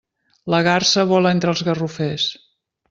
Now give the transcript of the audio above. La garsa vola entre els garrofers.